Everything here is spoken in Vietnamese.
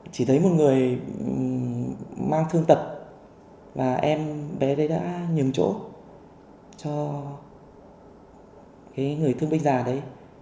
chỉ thấy một người mang thương tật và em bé đấy đã nhường chỗ cho cái người thương binh già đấy